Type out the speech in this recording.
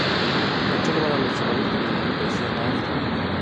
هوټل والا له چلوونکو د ډوډۍ پيسې نه اخلي.